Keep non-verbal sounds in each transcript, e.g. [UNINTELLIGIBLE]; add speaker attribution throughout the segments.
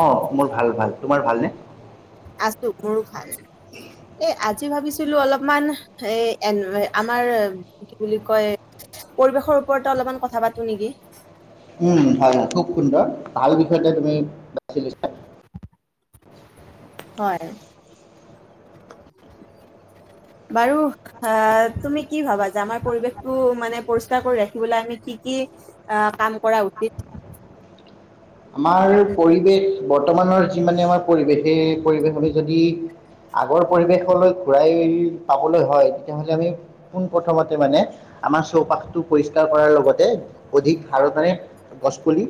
Speaker 1: অ' মোৰ ভাল - ভাল। তোমাৰ ভালনে?
Speaker 2: আছো, মোৰো ভাল। ঐ আজ, আজি ভাবিছিলো অলপমান এ' এ' আমাৰ কি বুলি কয় পৰিৱেশৰ ওপৰতে অলপমান কথা পাতো নেকি?
Speaker 1: উম, ভাল -ভাল খুব সুন্দৰ ভাল বিষয়তে তুমি বাছি লৈছা।
Speaker 2: হয়। বাৰু আহ, তুমি কি ভাবা যে আমাৰ পৰিৱেশটো মানে পৰিষ্কাৰ কৰি ৰাখিবলৈ আমি কি কি কাম কৰা উচিত?
Speaker 1: আমাৰ পৰিৱেশ বৰ্তমানৰ যি মানে আমাৰ পৰিৱেশ সেই পৰিৱেশ আমি যদি আগৰ পৰিৱেশলৈ ঘূৰাই পাবলৈ হয় তেতিয়াহলে আমি পোন প্ৰথমতে মানে আমাৰ চৌপাশটো পৰিষ্কাৰ কৰাৰ লগতে অধিক হাৰত মানে গছপুলি,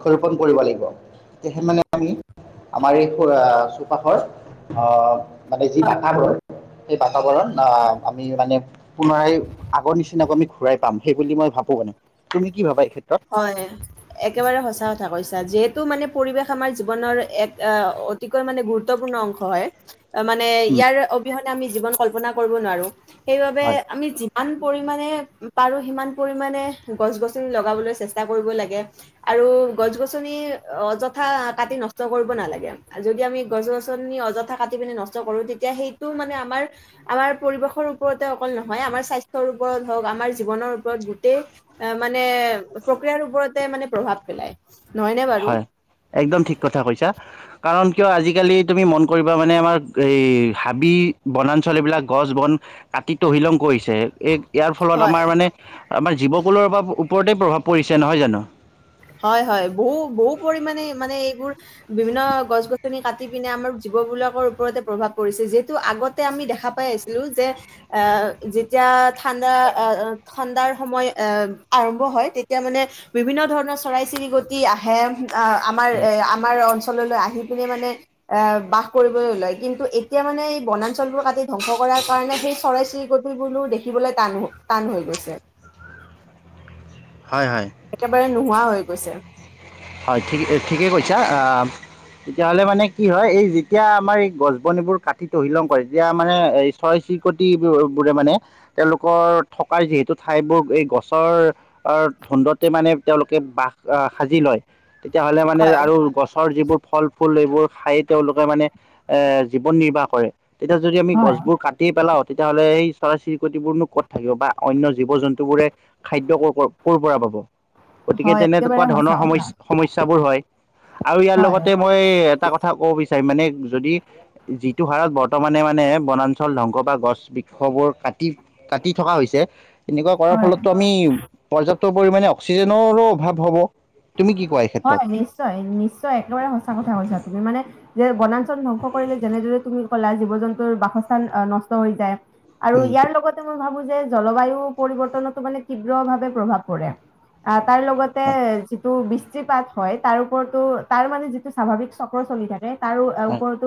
Speaker 1: বৃক্ষৰোপণ কৰিব লাগিব তেতিয়াহে মানে আমি আমাৰ এই চৌপাশৰ আ, মানে যি বাতাবৰণ বা সেই বাতাবৰণ আমি মানে পুনৰাই আগৰ নিচিনাকৈ আমি ঘূৰাই পাম। সেই বুলি মই ভাবো মানে, তুমি কি ভাবা? ক্ষেত্ৰত
Speaker 2: হয়, একেবাৰে সঁচা ক, কৈছা যিহেতু মানে পৰিৱেশ আমাৰ জীৱনৰ এক আহ, অতিকৈ মানে গুৰুত্বপূৰ্ণ অংশ হয়। অ, মানে ইয়াৰ অবিহনে আমি জীৱন কল্পনা কৰিব নোৱাৰো। সেইভাবে
Speaker 1: হয়
Speaker 2: আমি যিম, আন পৰিমানে পাৰো সিমান পৰিমানে গছ- -গছনি লগাবলৈ চেষ্ট, চেষ্টা কৰিব লাগে আৰু গছ -গছনি অযথা কাটি নষ্ট কৰিব নালাগে। যদি আমি গছ-গছনি অযথা কাটি পিনি নষ্ট কৰো, তেতিয়া সেইটো মানে আমাৰ আমাৰ পৰিৱেশৰ ওপৰতে অকল নহয়, আমাৰ স্বাস্থ্যৰ ওপৰত হওক আমাৰ জীৱনৰ ওপৰত গোটেই মানে, প্ৰক্ৰিয়াৰ ওপৰতে মানে প্ৰভাৱ পেলায়। নহয়নে বাৰু
Speaker 1: হয়, একদম ঠিক কথা কৈছা। কাৰণ কিয় আজিকালি তুমি মন কৰিবা মানে আমাৰ এই, হাবি -বনাঞ্চলবিলাক, গছ- বন কাটি তহিলং কৰিছে, এই, ইয়াৰ ফলত
Speaker 2: হয়
Speaker 1: আমাৰ মানে, আমাৰ জীৱকুলৰ ওপৰতেই প্ৰভাৱ পৰিছে নহয় জানো?
Speaker 2: হয় -হয় বহু -বহু পৰিমাণে মানে এইবোৰ বিভিন্ন গছ -গছনি কাটি পিনে আমাৰ জীৱ বিলাকৰ ওপৰতে প্ৰভাৱ পৰিছে। যিহেতু আগতে আমি দেখা পাই আছিলো যে, আহ যেতিয়া ঠাণ্ডা আহ ঠাণ্ডাৰ সময় আহ, আৰম্ভ হয়, তেতিয়া মানে বিভিন্ন ধৰণৰ, চৰাই- চিৰিকটি আহে আ, আমাৰ এ' আমাৰ অঞ্চল, ললৈ আহি পিনে মানে এ' বাস কৰিবলৈ লয়, কিন্তু এতিয়া মানে এই বনাঞ্চলবোৰ কাটি ধ্বংস কৰাৰ কাৰণে সেই চৰাই চিৰিকটিবোৰো দেখিবলৈ টান, টান হৈ গৈছে।
Speaker 1: হয় -হয়
Speaker 2: একেবাৰে নোহোৱা হৈ গৈছে।
Speaker 1: হয় ঠিক ঠিকে কৈছা, আহ তেতিয়াহলে মানে কি হয় এই যেতিয়া আমাৰ এই গছ বনিবোৰ কাটি তহিলং কৰে তেতিয়া মানে এই ছয় চিৰিকট বোৰে মানে, তেওঁলোকৰ থকা যিহেতু ঠাইবোৰ এই গছৰ ধন্দতে মানে তেওঁলোকে বাস সাজি লয়। তেতিয়াাহ'লে মানে
Speaker 2: হয়।
Speaker 1: আৰু গছৰ যিবোৰ ফল ফুল এইবোৰ খাই তেওঁলোকে মানে এ জীৱন নিৰ্বাহ কৰে, তেতিয়া যদি আমি
Speaker 2: হয়।
Speaker 1: গছবোৰ কাটি পেলাও তেতিয়াাহ'লে স। তাৰে চিৰিকতি বোৰনো ক'ত থাকিব বা অন্য জীৱ জন্তু বোৰে খাদ্য ক। কৰ' পৰা পাব গতিকে
Speaker 2: হয়
Speaker 1: তেনেকুৱা
Speaker 2: একেবাৰে সঁচা
Speaker 1: ধৰণৰ
Speaker 2: কথা
Speaker 1: সমস্যা। সমস্যাবোৰ হয়, আৰু ইয়াৰ
Speaker 2: হয়
Speaker 1: লগতে মই এটা কথা কব। মানে যদি যিটো হাৰত বৰ্তমানে মানে বনাঞ্চল ধংস বা গছ বৃক্ষবোৰ কাতি। কাটি থকা হৈছে, এনেকুৱা কৰাৰ
Speaker 2: হয়
Speaker 1: ফলতো আমি পৰ্যাপ্ত পৰিমাণে। অক্সিজেনৰো অভাৱ হ'ব। তুমি কি কোৱা এই ক্ষেত্ৰত
Speaker 2: হয় নিশ্চয় নিশ্চয় একেবাৰে সঁচা কথা কৈছা তুমি মানে যে বনাঞ্চল ধ্বংস কৰিলে যেনেদৰে তুমি ক'লা জীৱ জন্তুৰ বাসস্থান নষ্ট হৈ যায়। আৰু
Speaker 1: উম
Speaker 2: ইয়াৰ লগতে। মই ভাবো যে, জলবায়ু পৰিৱৰ্তনো মানে তীব্ৰ ভাৱে প্ৰভাৱ পৰে। তাৰ লগতে যিটো বি। পাত হয়, তাৰ ওপৰতো তাৰ মানে যিটো স্বাভাৱিক চক্ৰ চলি থাকে। তাৰো ওপৰতো।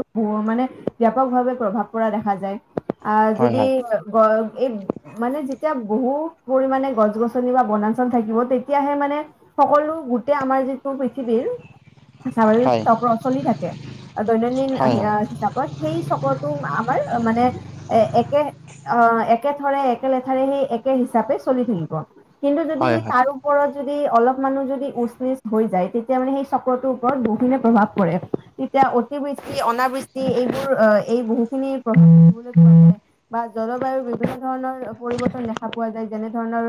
Speaker 2: মানে ব্যাপকভাৱে প্ৰভাৱ পৰা দেখা যায়। অ,
Speaker 1: হয় হয়
Speaker 2: যদি গ। এই মানে যেতিয়া বহু পৰিমণে গছ গছনি বা বনাঞ্চল থাকিব তেতিয়াহে মানে সকলো গো। তেতিয়া আমাৰ যি। পৃথিৱীৰ
Speaker 1: হয়
Speaker 2: চক্ৰ চলি থাকে দৈনন্দিন
Speaker 1: হয় হয় হয়
Speaker 2: হিচাপত সেই চক্ৰটো আমাৰ মানে একে। একেথাৰে একে লেথাৰে সেই একে হিচাপে চলি থাকিব। কিন্তু যদি,
Speaker 1: হয় হয় হয়
Speaker 2: তাৰ ওপৰত। যদি অলপ মানুহ যদি। হৈ যায়, তেতিয়া মানে সেই চক্ৰটোৰ ওপৰত বহুখিনি প্ৰভাৱ পৰে তেতিয়া অতিবৃষ্টি অনাবৃষ্টি এইবোৰ আহ, এই বহুখিনি প্ৰভাৱ বা জলবায়ু বিভিন্ন ধৰণৰ পৰিবৰ্তন দেখা পোৱা যায়। যেনে ধৰণৰ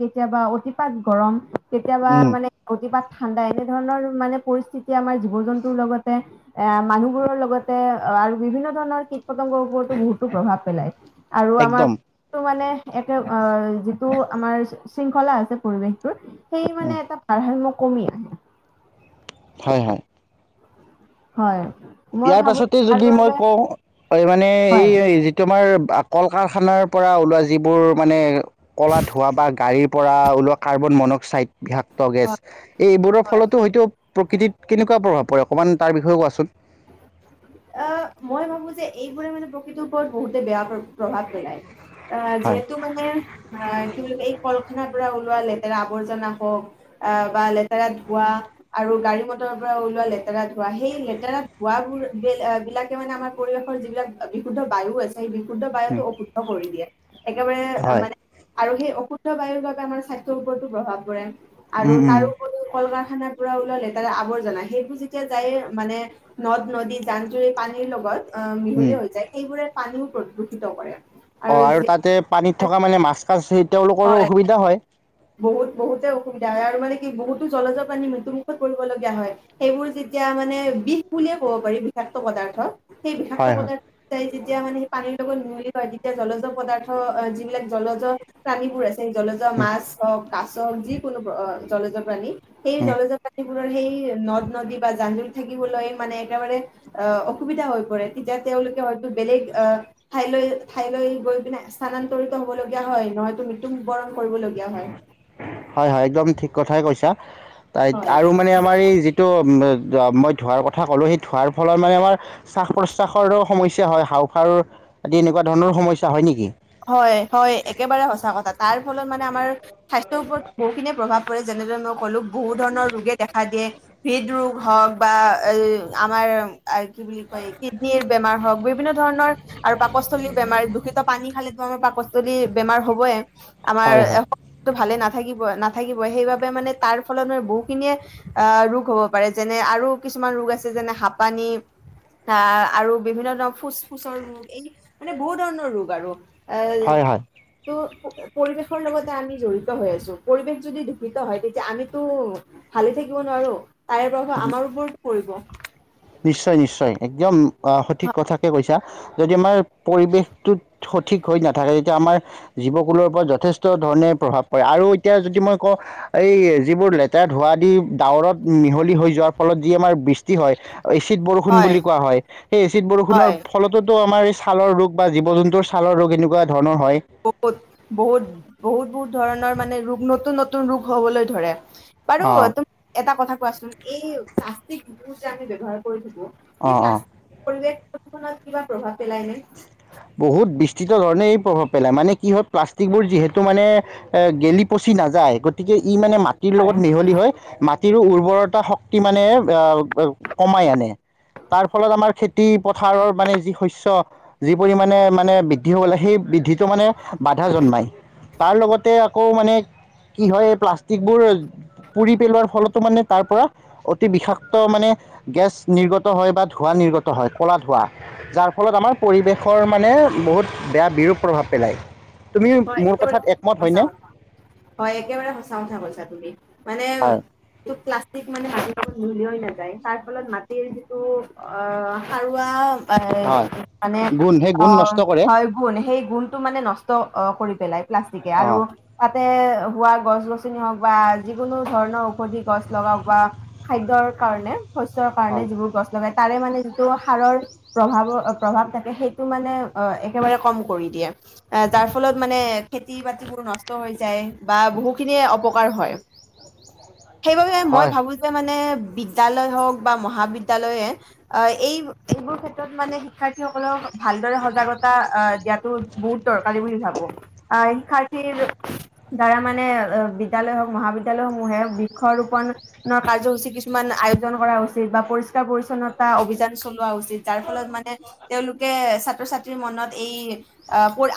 Speaker 2: কেতিয়াবা অতিপাত গৰম। কেতিয়াবা মানে। কিবা ঠাণ্ডা এনেধৰণৰ মানে পৰিস্থিতি আমাৰ জীৱ জন্তুৰ লগতে এ মানুহবোৰৰ লগতে আৰু বিভিন্ন ধৰণৰ কীট পতংগৰ ওপৰতো বহুতো প্ৰভাৱ পেলায়। আৰু
Speaker 1: একদম
Speaker 2: আমাৰটো মানে। একে অ যিটো আমাৰ শৃংখলা আছে পৰিৱেশটোৰ। সেই মানে
Speaker 1: উম,
Speaker 2: এটা। ধৃনাত্মা কমি আহ [UNINTELLIGIBLE]
Speaker 1: হয় হয়।
Speaker 2: হয়। মই
Speaker 1: ইয়াৰ
Speaker 2: ভাবো
Speaker 1: পাছতে
Speaker 2: তাৰ
Speaker 1: যদি মই
Speaker 2: বাবে
Speaker 1: কওঁ, মানে
Speaker 2: হয়
Speaker 1: এই যিটো আমাৰ। কল কাৰখানাৰ পৰা ওলোৱা যিবোৰ মানে কলা ধোৱা বা গাড়ীৰ পৰা উলোৱা কাৰ্বন মনক্সাইড। বিষাক্ত গেছ এই এইবোৰৰ ফলতো হয়তো প্ৰকৃতিত কেনেকুৱা প্ৰভাৱ পৰে অকণমানাৰ বিয়ে কোৱাচোন
Speaker 2: অ মই ভাবো যে এইবোৰে মানে প্ৰকৃতিৰ ওপৰত বহুতে বেয়া প্ৰভাৱ পেলায় অ
Speaker 1: হয়
Speaker 2: যিহেতু মানে অ কি বুলি এই কল কাৰখানা পৰা ওলোৱালে লেতেৰা আৱৰ্জনা হওঁক আহ বা লেতেৰা ধোঁৱা আৰু গাড়ী মটৰৰ পৰা ওলোৱা লেতেৰা ধোঁৱা সেই লেতেৰা ধোৱাব বি বিলাকে মানে আমাৰ পৰিৱেশৰ যিবিলাক বিশুদ্ধ বায়ু আছে সেই শুদ্ধ বায়ুতো অশুদ্ধ কৰি দিয়ে একেবাৰে
Speaker 1: হয়
Speaker 2: মানে আৰু সেই অশুদ্ধ বায়ুৰ বাবে আমাৰ স্বাস্থ্যৰ ওপৰতো প্ৰভাৱ পৰে আৰু তাৰপৰিও কল কল কাৰখানা পৰা ওলালে তাৰে আৱৰ্জনা সেইবোৰ যেতিয়া যায়ে মানে নদ নদী জান জুৰি পানীৰ লগত অ মিহলীয়া হৈ যায় সেইবোৰে পানীও প্ৰদূষিত কৰে
Speaker 1: অ আৰু তাতে পানীত থকা মানে মাছকাছত
Speaker 2: হয়
Speaker 1: তেওঁলোকৰো অসুবিধা হয়
Speaker 2: বহুত বহুত অসুবিধা হয় আৰু মানে কি বহুতো জলজৰ পানী মৃত্যুমুখত পৰিবলগীয়া হয় সেইবোৰ যেতিয়া মানে বিষ বুলিয়ে ক'ব পাৰি বিষাক্ত পদাৰ্থ। সেই বিষাক্ত
Speaker 1: হয় হয়
Speaker 2: পদাৰ্থ। যেতিয়া মানে সেই পানীৰ লগত মিহলি হয় তেতিয়া জলজৰ পদাৰ্থ যিবিলাক জলজৰ প্ৰাণীবোৰ আছে সেই জলযোৱা মাছ কাছ যি কোনো জলেজৰ প্ৰাণী এই
Speaker 1: উম উম
Speaker 2: জলজৰপ্ৰানী ৰ সেই নদ নদী বা জান জুৰি থাকিবলৈ মানে একেবাৰে অ অসুবিধা হৈ পৰে তেতিয়া তেওঁলোকে হয়তো বেলেগ আহ ঠাইলৈ ঠাইলৈ গৈ পিনে স্থানান্তৰিত হব লগীয়া হয় নহতো। মৃত্যুবৰণ কৰিব লগীয়া হয়
Speaker 1: হয় হয় একদম ঠিক কথাই কৈছা। তাই
Speaker 2: হয়
Speaker 1: আৰু মানে আমাৰ এই যিটো। যোৱা মই ধোঁৱাৰ কথা ক'লোঁ এই ধোঁৱাৰ ফলত মানে আমাৰ শ্বাস-প্ৰশ্বাসৰো সমস্যা হয় হাওফাৰৰ আদি এনেকুৱা ধৰণৰো সমস্যা হয় নেকি।
Speaker 2: হয় হয় একেবাৰে সঁচা কথা তাৰ ফলত মানে আমাৰ স্বাস্থ্যৰ ওপৰত বহু খিনিয়ে প্ৰভাৱ কৰে যেনেদৰে মই কলো বহুত ধৰণৰ ৰোগে দেখা দিয়ে হৃদৰোগ হওক বা এ আ আমাৰ। আৰু কি বুলি কয় কিডনিৰ বেমাৰ হওঁক বিভিন্ন ধৰণৰ আৰু পাকস্থলী বেমাৰ দূষিত পানী খালে। ৰ পাকস্থলী বেমাৰ হবেয়ে। আমাৰ
Speaker 1: হয় হয়
Speaker 2: ভালে নাথ। থাকিব নাথাকিব সেইবাবে মানে তাৰ ফলত ম বহুখিনিয়ে আহ ৰোগ হ'ব পাৰে যেনে আৰু কিছুমান ৰোগ আছে যেনে হাপানি আহ আৰু বিভিন্ন ধৰণৰ ফুচ ফুচৰ ৰোগ এ মানে বহু ধৰণৰ ৰোগ আৰু। এই
Speaker 1: হয় হয়
Speaker 2: তো। পৰিৱেশৰ লগতে আমি জড়িত হৈ আছো পৰিৱেশ যদি দূষিত হয় তেতিয়া আমিতো ভালে থাকিব নোৱাৰো। তাৰে প্ৰভাৱ আমাৰ ওপৰতো পৰিব।
Speaker 1: নিশ্চয় নিশ্চয় একদম। অ সঠিক কথাকে কৈছা। যদি আমাৰ পৰিৱেশটোত সঠিক হৈ নাথাকে তেতিয়া আমাৰ জীৱকুলৰ ওপৰত যথেষ্ট ধৰণে প্ৰভাৱ পৰে আৰু এতিয়া যদি মই কওঁ এই যিবোৰ লেতেৰা ধোৱা দি ডাৱৰত মিহলি হৈ যোৱাৰ ফলত যি আমাৰ বৃষ্টি হয়। এচিড বৰষুণ বুলি কোৱা হয় সেই এচিড বৰষুণৰ
Speaker 2: হয়
Speaker 1: ফলতো আমাৰ। ছালৰ ৰোগ বা জীৱ জন্তুৰ ছালৰ ৰোগ এনেকুৱা ধৰ।
Speaker 2: বহুত বহুত বহুত বহুত ধৰণৰ। মানে ৰোগ নতুন নতুন ৰোগ হ'বলৈ ধৰে। বাৰু
Speaker 1: অঁ
Speaker 2: তুম এটা কথা। কোৱাচোন এই প্লাষ্টিক বোৰ যে আমি ব্যৱহাৰ কৰো। সেই
Speaker 1: অঁ অঁ
Speaker 2: প্লাষ্টিক পৰিবেশ। কিবা। প্ৰভাৱ পেলাইনে।
Speaker 1: প্ৰিত ধৰণে এই প্ৰভাৱ পেলায় মানে কি হয় প্লাষ্টিকবোৰ যিহেতু মানে গেলি পচি নাযায় গতিকে। ই মানে মাটিৰ
Speaker 2: হয়
Speaker 1: লগত মিহলি হয় মাটিৰো উৰ্বৰত। এটা শক্তি মানে অ কমাই আনে তাৰ ফলত আমাৰ খেতি পথাৰৰ মানে যি শস্য। যি পৰিমাণে মানে বৃদ্ধি হব লাগে সেই বৃদ্ধিটো মানে বাধা জন্মায় তাৰ লগতে আকৌ মানে কি হয় প্লাষ্টিকবোৰ পুৰি পেলোৱাৰ ফলতো মানে তাৰ পৰা অতি বিষাক্ত মানে গেছ নিৰ্গত হয় বা ধোঁৱা নিৰ্গত হয় ক'লা ধোঁৱা যাৰ। ফলত আমাৰ পৰিৱেশৰ মানে বহুত বেয়া বিৰূপ প্ৰভাৱ পেলায়। তুমি মোৰ কথাত একমত হয়নে
Speaker 2: হয় একেবাৰে সঁচা কথা কৈছা তুমি মানে
Speaker 1: হয়
Speaker 2: প্লাষ্টিক মিহলি। নাযায় তাৰ ফলত মাটিৰ যিটো অ সাৰুৱা। এ
Speaker 1: হয়
Speaker 2: মানে
Speaker 1: গুণ সেই
Speaker 2: অ
Speaker 1: গুণ নষ্ট কৰে
Speaker 2: হয় গুণ সেই গুণটো মানে নষ্ট। কৰি পেলাই। প্লাষ্টিকে আৰু
Speaker 1: অঁ
Speaker 2: তাতে। হোৱা গছ গছনি হওক বা যিকোনো ধৰণৰ ঔষধি গছ লগাওক বা খাদ্যৰ কাৰণে। শস্যৰ কাৰণে
Speaker 1: হয়
Speaker 2: যিবোৰ গছ লগাই। তাৰে মানে যিটো সাৰৰ প্ৰভাৱ প্ৰভাৱ থাকে সেইটো মানে একেবাৰে কম কৰি দিয়ে। যাৰ ফলত মানে খেতি বাতিবোৰ নষ্ট হৈ যায় বা বহুখিনিয়ে অপকাৰ হয়। সেইবাবে মই
Speaker 1: হয়
Speaker 2: ভাবো যে মানে। বিদ্যালয় হওঁক বা মহাবিদ্যালয়ে এই এইবোৰ ক্ষেত্ৰত মানে শিক্ষাৰ্থীসকলক ভালদৰে সজাগতা দিয়াতো বহুত দৰকাৰ। বুলি ভাবো আহ শিক্ষাৰ্থীৰ দ্বাৰা মানে বিদ্যালয় হওক মহাবিদ্যালয় সমূহে বৃক্ষ ৰোপণ কাৰ্য্যসূচী কিছুমান আয়োজন কৰা উচিত বা পৰিষ্কাৰ পৰিচ্ছন্নতা অভিযান চল হোৱা উচিত যাৰ ফলত মানে তেওঁলোকে ছাত্ৰ ছাত্ৰীৰ মনত এই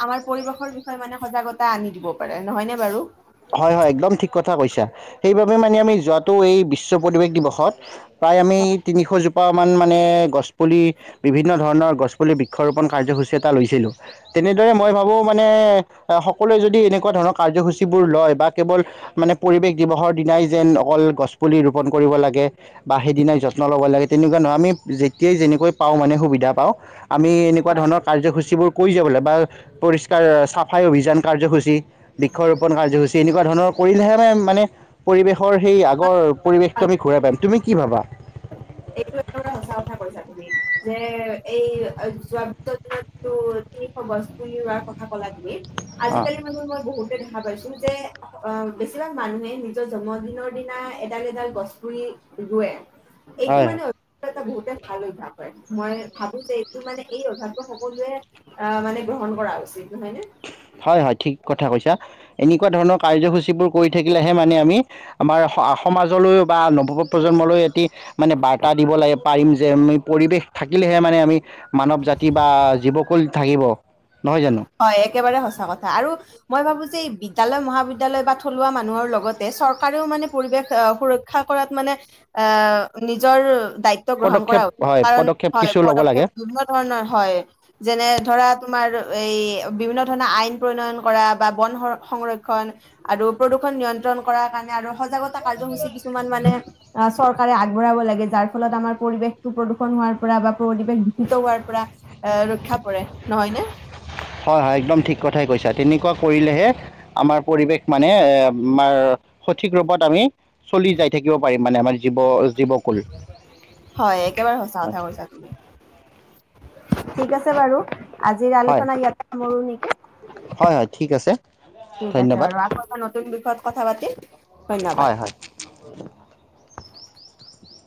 Speaker 2: আমাৰ। পৰিৱেশৰ বিষয়ে মানে সজাগতা আনি দিব পাৰে নহয়নে বাৰু
Speaker 1: হয় হয় একদম ঠিক কথা কৈছা। সেইবাবে মানে আমি যোৱাতটো এই বিশ্ব পৰিবেশ দিৱসত প্ৰায় আমি তিনিশ জোপা মান মানে গছ পুলি বিভিন্ন ধৰণৰ গছ পুলি বৃক্ষৰোপন কাৰ্যসূচী এটা লৈছিলো তেনেদৰে মই ভাবো মানে এ সকলোৱে যদি এনেকুৱা ধৰণৰ কাৰ্যসূচী ৰ ল বা কেৱল মানে পৰিৱেশ দিৱসৰ দিনাই যেন অকল গছ পুলি ৰোপন কৰিব লাগে বা সেই দিনাই যত্ন লব লাগে তেনেকুৱা নহয় আমি যেতিয়াই যেনেকৈ পাওঁ মানে সুবিধা পাওঁ। আমি এনেকুৱা ধৰণৰ কাৰ্যসূচীবোৰ কৰি যাবলৈ বা পৰিষ্কাৰ চাফাই অভিযান কাৰ্যসূচীৰ কাৰ্যসূচী এনেকুৱা ধৰণৰ কৰিলেহে মানে মানে পৰিৱেশৰ সেই আগৰ
Speaker 2: হয়
Speaker 1: পৰিবেশটো আমি ঘূৰাই পাম তুমি কি ভাবা?
Speaker 2: এইটো একবাৰে সচা কথা কৈছা তুমি যে এই যোৱাতটো গছপুলি ৰোৱাৰ কথা কলা তুমি
Speaker 1: অঁ
Speaker 2: আজিকালি মানে মই বহুতে ভ পাইছো যে আহ বেছিভাগ মানুহে নিজৰ জন্মদিনৰ দিনা এডাল এডাল গছ পুৰি ৰুৱে এইটো
Speaker 1: হয় হয়
Speaker 2: মানে এ বহুতে ভাল অভ্যাস হয় মই ভাবো যে এইটো মানে এই অভ্যাসটো সকলোৱে আহ মানে গ্ৰহণ কৰা উচিত নহয়নে
Speaker 1: হয় হয় ঠিক কথা কৈছা এনেকুৱা ধৰণৰ কাৰ্যসূচীবোৰ কৰি থাকিলেহে মানে আমি আমাৰ সমাজলৈও বা নৱ প্ৰজন্মলৈ এটি মানে বাৰ্তা দিব লাগে পাৰিম যে আমি পৰিৱেশ থাকিলেহে মানে আমি মানৱ জাতি বা জীৱকুল থাকিব। নহয় জানো
Speaker 2: হয় একেবাৰে সঁচা কথা আৰু মই ভাবো যে এই বিদ্যালয় মহাবিদ্যালয় বা থলুৱা মানুহৰ লগতে চৰকাৰেও মানে পৰিৱেশ সুৰক্ষা কৰাত মানে আহ নিজৰ। দায়িত্ব গ্ৰহণ কৰা
Speaker 1: পদক্ষেপ হয়
Speaker 2: কাৰণ
Speaker 1: পদক্ষেপ
Speaker 2: হয়
Speaker 1: কিছু ল'ব
Speaker 2: পদক্ষেপ
Speaker 1: লাগে
Speaker 2: বিভিন্ন ধৰণৰ হয় যেনে ধৰা তোমাৰ। এই বিভিন্ন ধৰণৰ আইন প্ৰণয়ন কৰা বা বন সংৰক্ষণ আৰু প্ৰদূষণ নিয়ন্ত্ৰণ কৰ কাৰণে আৰু সজাগতা কাৰ্যসূচী কিছুমান মানে আহ চৰকাৰে আগবঢ়াব লাগে যাৰ ফলত আমাৰ পৰিৱেশটো প্ৰদূষণ হোৱাৰ পৰা বা পৰিবেশ দূষিত হোৱাৰ পৰা এ ৰক্ষা পৰে নহয়নে।
Speaker 1: হয় হয় একদম ঠিক কথাই কৈছা। তেনেকুৱা কৰিলেহে আমাৰ পৰিৱেশ মানে এ আমাৰ সঠিক ৰূপত আমি চলি যাই থাকিব পাৰিম মানে আমাৰ জীৱ জীৱকুল
Speaker 2: হয় একেবাৰে সঁচা
Speaker 1: হয়
Speaker 2: কথা কৈছা তুমি। ঠিক আছে বাৰু আজিৰ
Speaker 1: হয়
Speaker 2: আলোচনা ইয়াত সামৰোঁ নেকি?
Speaker 1: হয় হয় আছে
Speaker 2: ঠিক আছে
Speaker 1: ধন্যবাদ
Speaker 2: বাৰু আকৌ এটা নতুন বিষয়ত কথা পাতিম ধন্যবাদ।
Speaker 1: হয় হয়